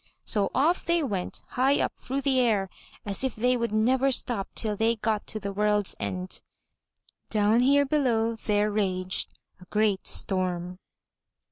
So off they went high up through the air, as if they would never stop till they got to the world's end. Down here below there raged a great storm.